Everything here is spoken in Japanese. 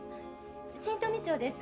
新富町です。